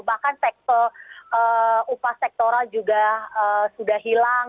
bahkan upah sektoral juga sudah hilang